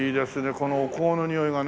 このお香のにおいがね。